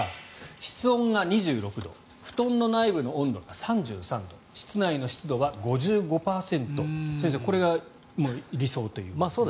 室温が２６度布団の内部の温度が３３度室内の湿度は５５％先生、これが理想という。